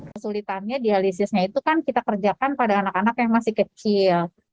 kesulitannya dialisisnya itu kan kita kerjakan pada anak anak yang masih kecil